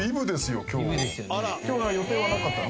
今日予定はなかったの？